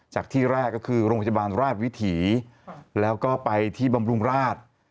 จากที่แรกก็คือโรงพยาบาลราชวิถีแล้วก็ไปที่บำรุงราช